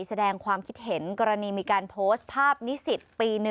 แสดงความคิดเห็นกรณีมีการโพสต์ภาพนิสิตปี๑